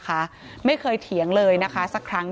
การแก้เคล็ดบางอย่างแค่นั้นเอง